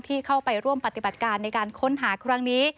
ที่เข้าไปร่วมปฏิบัติการในการค้นหาครั้งนี้